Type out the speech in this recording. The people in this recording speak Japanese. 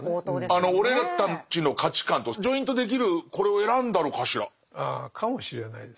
あの俺たちの価値観とジョイントできるこれを選んだのかしら？